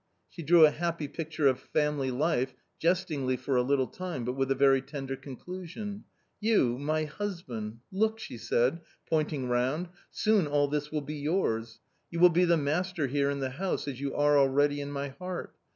She drew a happy picture of family life, jestingly for a little time, but with a very tender conclusion. "You — my husband! look," she said, pointing round, A " so on all this will be yours. Y ou will be the mas ter here in the house, as you are already in my heart.